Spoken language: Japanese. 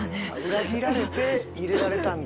裏切られて入れられたんだ。